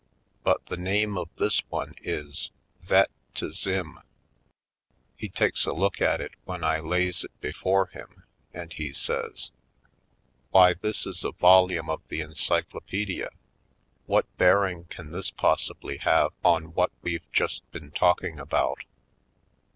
But the name of this one is: Vet to Zym. He takes a look at it when I lays it be fore him, and he says: "Why, this is a volume of the Encyclo pedia! What bearing can this possibly have on what we've just been talking about?"